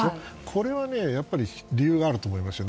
これは理由があると思いますよ。